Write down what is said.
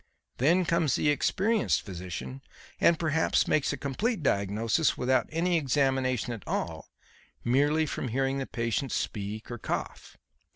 Then comes the experienced physician and perhaps makes a complete diagnosis without any examination at all, merely from hearing the patient speak or cough.